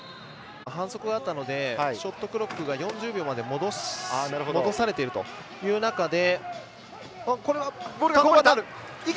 反則があったのでショットクロックが４０秒まで戻されているという中で。